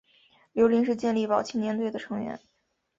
刘麟是健力宝青年队的成员。